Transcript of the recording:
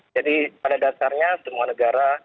jadi pada dasarnya semua negara